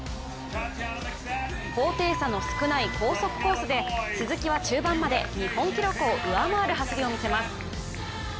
高低差の少ない高速コースで鈴木は中盤まで日本記録を上回る走りをみせます。